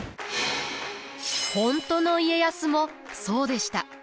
本当の家康もそうでした。